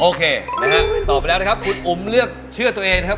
โอเคนะฮะตอบไปแล้วนะครับคุณอุ๋มเลือกเชื่อตัวเองนะครับ